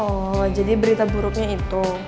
oh jadi berita buruknya itu